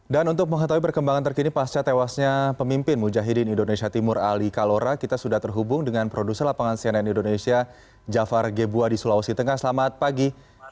dan untuk mengataui perkembangan terkini pasca tewasnya pemimpin mujahidin indonesia timur ali kalora kita sudah terhubung dengan produser lapangan cnn indonesia jafar gebuwa di sulawesi tengah selamat pagi